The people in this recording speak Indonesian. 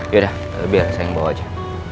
yaudah biar saya yang bawa aja